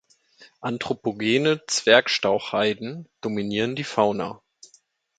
Anthropogene Zwergstrauchheiden dominieren die Fauna.